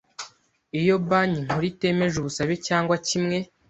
Iyo Banki Nkuru itemeje ubusabe cyangwa kimwe